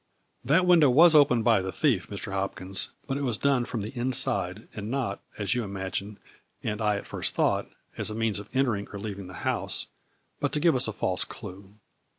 " That window was opened by the thief, Mr. Hopkins, but it was done from the inside and not, as you imagine and I at first thought, as a means of entering or leaving the house, but to give us a false clue.